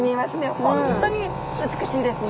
本当に美しいですね。